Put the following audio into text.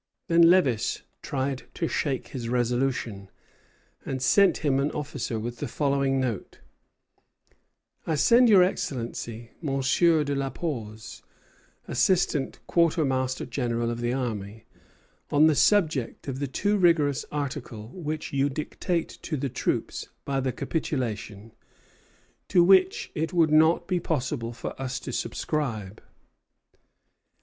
Then Lévis tried to shake his resolution, and sent him an officer with the following note: "I send your Excellency M. de la Pause, Assistant Quartermaster General of the Army, on the subject of the too rigorous article which you dictate to the troops by the capitulation, to which it would not be possible for us to subscribe."